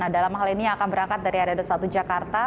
dalam hal ini akan berangkat dari area dua puluh satu jakarta